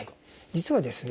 実はですね